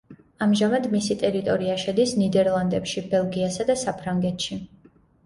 ამჟამად მისი ტერიტორია შედის ნიდერლანდებში, ბელგიასა და საფრანგეთში.